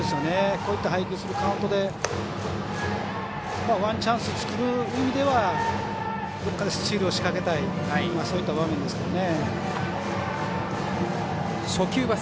こういった配球するカウントでワンチャンス作る意味ではどこかでスチールを仕掛けたいそういった場面ですからね。